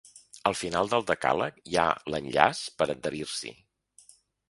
Al final del decàleg, hi ha l’enllaç per a adherir-s’hi.